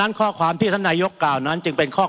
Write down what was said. มันมีมาต่อเนื่องมีเหตุการณ์ที่ไม่เคยเกิดขึ้น